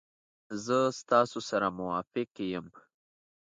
زه ستاسو سره موافق یم.